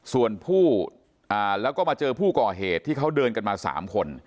ส่วนผู้แล้วก็มาเจอผู้ก่อเหตุที่เขาเดินกันมา๓คน